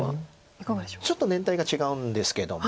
ちょっと年代が違うんですけども。